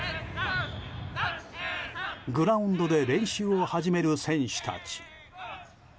グラウンドで練習を始める選手たち。